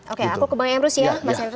oke aku ke bang emrus ya